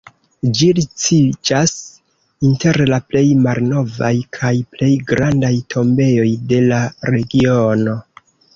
Ĝi viciĝas inter la plej malnovaj kaj plej grandaj tombejoj de la regiono.